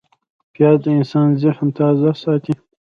پیاز د انسان ذهن تازه ساتي